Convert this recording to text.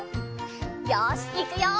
よしいくよ。